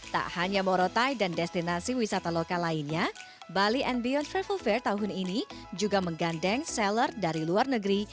tak hanya morotai dan destinasi wisata lokal lainnya bali and beyond travel fair tahun ini juga menggandeng seller dari luar negeri